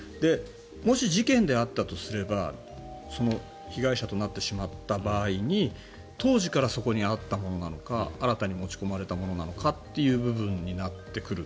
もし、事件であったとすれば被害者となってしまった場合に当時からそこにあったものなのか新たに持ち込まれたものなのかという部分になってくる。